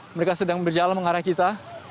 mereka sedang berjalan mengarah kita